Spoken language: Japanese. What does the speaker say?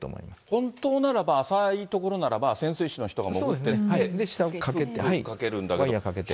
本当ならば、浅い所ならば、潜水士の人が潜ってって、かけるんだけど。